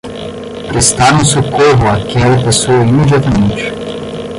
Prestaram socorro àquela pessoa imediatamente.